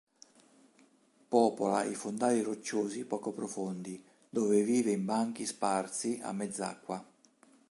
Popola i fondali rocciosi poco profondi dove vive in banchi sparsi a mezz'acqua.